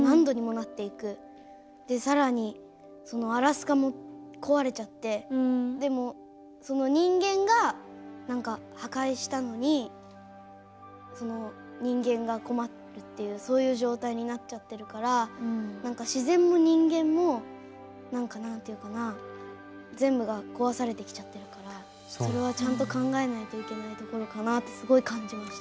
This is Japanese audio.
で更にアラスカも壊れちゃってでも人間が破壊したのに人間が困るっていうそういう状態になっちゃってるから自然も人間もなんていうかな全部が壊されてきちゃってるからそれはちゃんと考えないといけないところかなってすごい感じました。